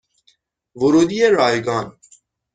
ورودی رایگان